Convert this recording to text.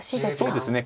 そうですね。